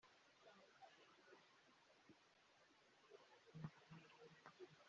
Mu buhamya yatanze mu rusengero mbere y’uko abatizwa